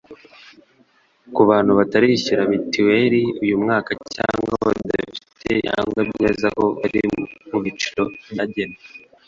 Ku bantu batarishyura mitiweri uyu mwaka cyangwa badafite ibyangombwa byemeza ko bari mu byiciro byagenwe